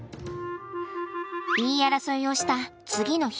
言い争いをした次の日。